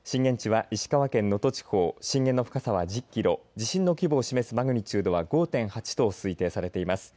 震源地は能登地方震源の深さは１０キロ地震の規模を示すマグニチュード５．８と推定されています。